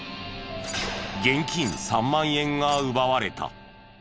現金３万円が奪われた。